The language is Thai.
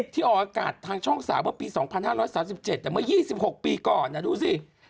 ที่ออกอากาศทางช่องสาวปี๒๕๓๗แต่มัน๒๖ปีก่อนนะดูสิ